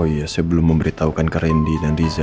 oh iya saya belum memberitahukan ke randy dan riza